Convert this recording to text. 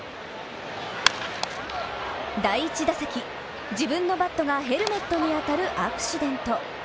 第１打席、自分のバットがヘルメットに当たるアクシデント。